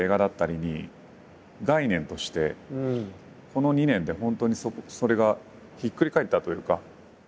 この２年で本当にそれがひっくり返ったというか。